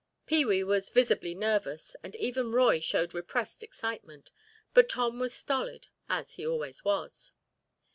Pee wee was visibly nervous and even Roy showed repressed excitement, but Tom was stolid as he always was.